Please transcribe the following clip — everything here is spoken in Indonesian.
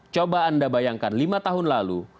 coba anda bayangkan lima tahun lalu